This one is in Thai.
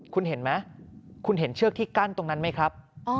คุณเห็นไหมคุณเห็นเชือกที่กั้นตรงนั้นไหมครับ